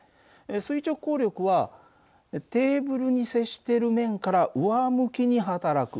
垂直抗力はテーブルに接している面から上向きに働く。